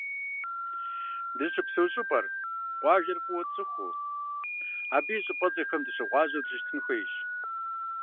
Дыщыпсэу щӏыпӏэр, къуажэр фӏыуэ тцӏыхуу, абы и щӏыпӏэцӏэхэм дыщыгъуазэу дыщытын хуейщ.